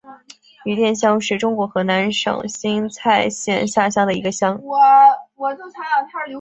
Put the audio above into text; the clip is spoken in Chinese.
余店乡是中国河南省新蔡县下辖的一个乡。